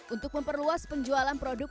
untuk memperluas penjualan produk